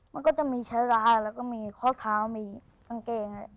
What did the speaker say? มันก็จะมีชะลาแล้วก็มีข้อเท้ามีกางเกง